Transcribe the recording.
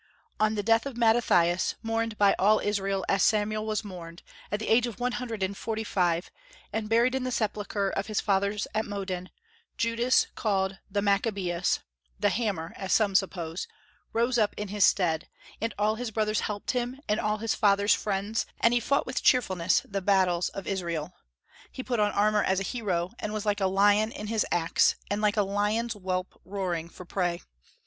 On the death of Mattathias, mourned by all Israel as Samuel was mourned, at the age of one hundred and forty five, and buried in the sepulchre of his fathers at Modin, Judas, called "The Maccabaeus" ("The Hammer," as some suppose), rose up in his stead; and all his brothers helped him, and all his father's friends, and he fought with cheerfulness the battles of Israel. He put on armor as a hero, and was like a lion in his acts, and like a lion's whelp roaring for prey.